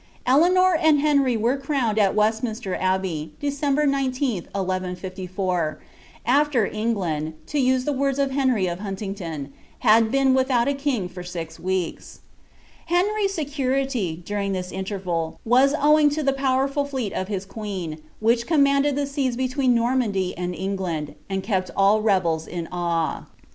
Eleanor and Henry were crowned in Westminster Abbey, Deenbv 10, 1154, '•after England," to use the words of Henry nf Hnntingddi^ " lud been without a king for sin weeks." Henry's security, duringMi interval, was owing to the powerful Hcei of his qneen, which comimW the seas between Normandy and England, and kept all rebels in awe.